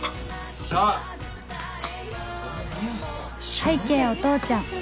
拝啓お父ちゃん